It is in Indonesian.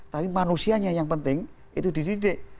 tapi manusianya yang penting itu dididik